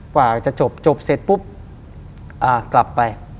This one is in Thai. กว่าจะจบเสร็จปุ๊บกลับไป